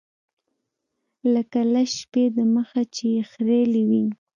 لکه لس شپې د مخه چې يې خرييلي وي.